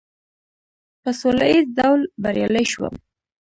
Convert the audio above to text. په سوله ایز ډول بریالی شوم.